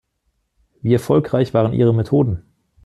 Wie erfolgreich waren ihre Methoden?